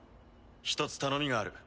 一つ頼みがある。